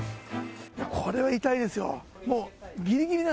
これは痛いですよ。